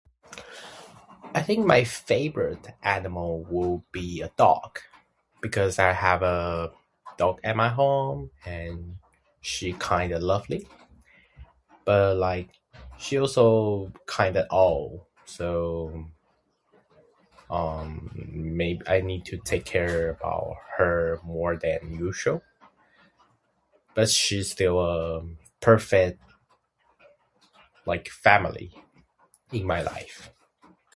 I think my favorite animal will be a dog. Because I have a dog at my home, and she kinda lovely. But, like, she also kinda old, so, um, maybe I need to take care of her more than usual. But she's still a perfect, like, family in my life.